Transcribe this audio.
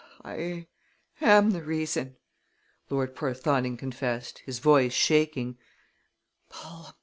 "I am the reason!" Lord Porthoning confessed, his voice shaking.